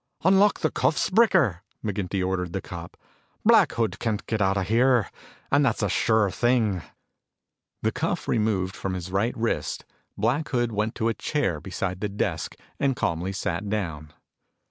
"Unlock the cuffs, Bricker," McGinty ordered the cop. "Black Hood can't get out of here, and that's a sure thing." The cuff removed from his right wrist, Black Hood went to a chair beside the desk and calmly sat down.